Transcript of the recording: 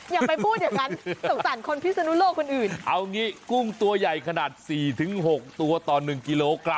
อย่าไปพูดอย่างนั้นสงสารคนพิศนุโลกคนอื่นเอางี้กุ้งตัวใหญ่ขนาด๔๖ตัวต่อ๑กิโลกรัม